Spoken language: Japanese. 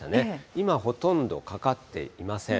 今、ほとんどかかっていません。